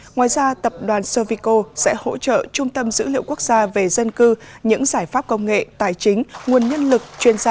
ngoài ra tập đoàn sovico sẽ hỗ trợ trung tâm dữ liệu quốc gia về dân cư những giải pháp công nghệ tài chính nguồn nhân lực chuyên gia